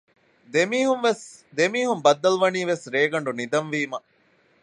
ދެމީހުން ބައްދަލުވަނީވެސް ރޭގަނޑު ނިދަން ވީމަ